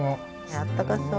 あったかそう。